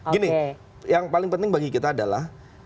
gini yang paling penting bagi kita adalah